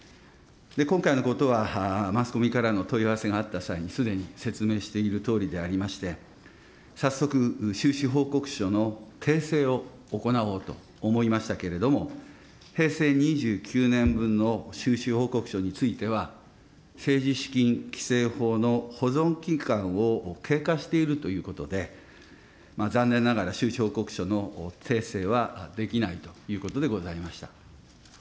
このことはマスコミからの問い合わせがあった際に、すでに説明しているとおりでありまして、早速、収支報告書の訂正を行おうと思いましたけれども、平成２９年分の収支報告書については、政治資金規正法の保存期間を経過しているということで、残念ながら収支報告書の訂正はできないということでございました。